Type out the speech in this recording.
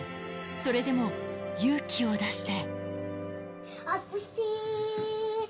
それでも勇気を出して。